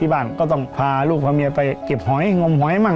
บ้านก็ต้องพาลูกพาเมียไปเก็บหอยงมหอยมั่ง